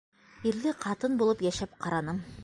Ирле ҡатын булып йәшәп ҡараным.